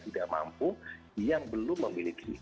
tidak mampu yang belum memiliki